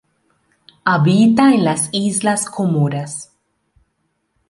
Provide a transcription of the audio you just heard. Habita en las islas Comoras.